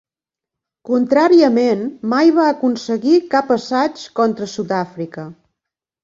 Contràriament, mai va aconseguir cap assaig contra Sud-àfrica.